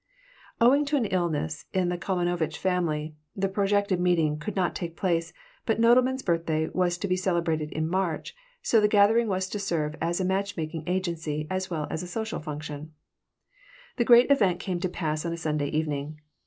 Owing to an illness in the Kalmanovitch family, the projected meeting could not take place, but Nodelman's birthday was to be celebrated in March, so the gathering was to serve as a match making agency as well as a social function The great event came to pass on a Sunday evening.